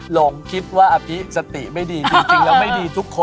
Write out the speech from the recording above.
หลงคิดว่าอภิสติไม่ดีจริงแล้วไม่ดีทุกคน